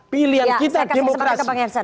pilihan kita demokrasi